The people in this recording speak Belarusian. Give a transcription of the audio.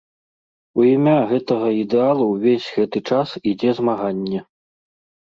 У імя гэтага ідэалу ўвесь гэты час ідзе змаганне.